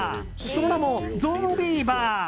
その名も「ゾンビーバー」。